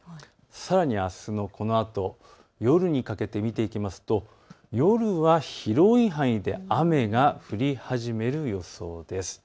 さらにあすのこのあと夜にかけて見ていきますと夜は広い範囲で雨が降り始める予想です。